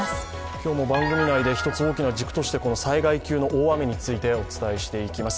今日も番組内で１つ大きな軸として災害級の大雨についてお伝えしていきます。